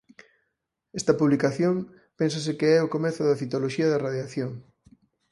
Esta publicación pénsase que é o comezo da citoloxía de radiación.